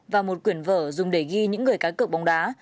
và một quyển vở dùng để ghi những người cá cược bóng đá